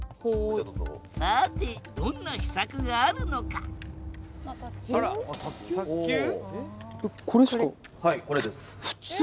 さてどんな秘策があるのかはいこれです。